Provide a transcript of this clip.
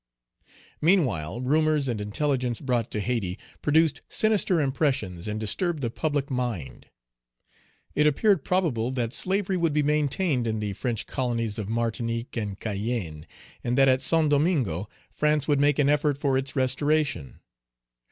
Meanwhile, rumors and intelligence brought to Hayti produced sinister impressions, and disturbed the public mind. It appeared probable that slavery would be maintained in the French colonies of Martinique and Cayenne, and that at Saint Domingo France would make an effort for its restoration.